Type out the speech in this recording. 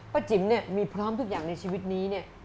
จิ๋มเนี่ยมีพร้อมทุกอย่างในชีวิตนี้เนี่ย